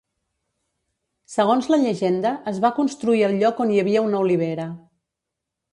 Segons la llegenda es va construir al lloc on hi havia una olivera.